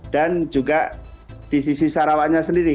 juga di sisi sarawaknya sendiri